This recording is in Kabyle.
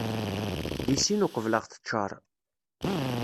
Di sin uqbel ad ɣ-teččar.